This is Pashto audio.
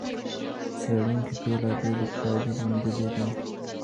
څېړونکو بېلابېلې پايلي موندلي دي.